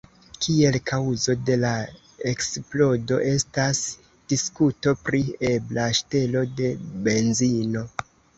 Kiel kaŭzo de la eksplodo estas diskuto pri ebla ŝtelo de benzino.